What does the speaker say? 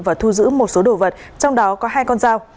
và thu giữ một số đồ vật trong đó có hai con dao